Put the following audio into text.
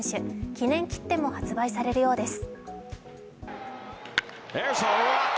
記念切手も発売されるようです。